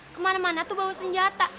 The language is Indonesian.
kemana mana tuh bawa senjata